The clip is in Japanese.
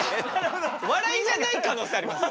笑いじゃない可能性あります。